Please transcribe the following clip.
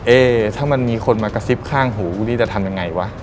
เอ๊ถ้ามันมีคนมากระซิบข้างหูกูนี่จะทำยังไงวะ